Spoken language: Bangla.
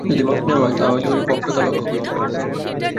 যদি মাপ নেওয়া হয়, তাহা হইলে ঐ বক্রতা লক্ষ্য করিতে পারিবেন।